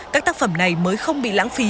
các tác phẩm này mới không bị lãng phí